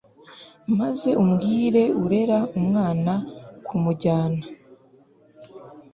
maze ubwire urera umwana kumujyana